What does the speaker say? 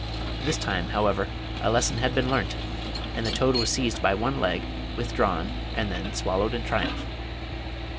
This time, however, a lesson had been learnt, and the toad was seized by one leg, withdrawn, and then swallowed in triumph."